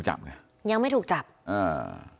ก็ยังไม่ถูกจับเลย